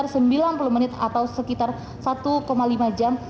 pembuatan vietnam ice coffee dalam sekitar sembilan puluh menit atau sekitar satu lima jam